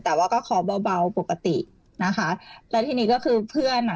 แต่ว่าก็ขอเบาเบาปกตินะคะแล้วทีนี้ก็คือเพื่อนอ่ะ